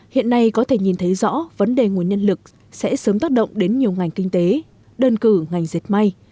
hiện nay có thể nhìn thấy rõ vấn đề nguồn nhân lực sẽ sớm tác động đến nhiều ngành kinh tế đơn cử ngành dệt may